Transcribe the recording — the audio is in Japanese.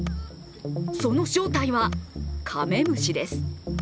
その正体はカメムシです。